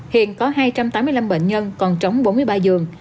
hiện có hai trăm tám mươi năm bệnh nhân còn trống bốn mươi ba giường